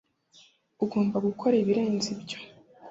ugomba gukora ibirenze ibyo